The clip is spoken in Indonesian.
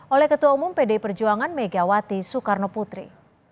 oleh ketua umum pdi perjuangan megawati soekarno putri